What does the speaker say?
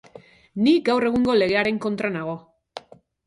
Ni gaur egungo legearen kontra nago.